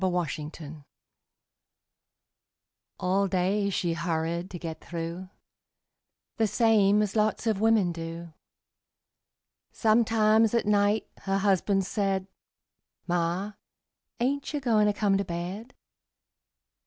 _ MIS' SMITH All day she hurried to get through, The same as lots of wimmin do; Sometimes at night her husban' said, "Ma, ain't you goin' to come to bed?"